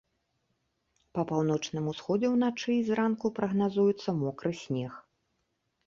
Па паўночным усходзе ўначы і зранку прагназуецца мокры снег.